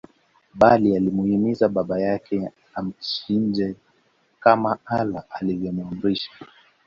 Bali alimuhimiza baba yake amchinje kama Allah alivyomuamrisha